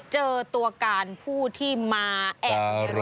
เจอตัวการผู้ที่มาแอบในรถ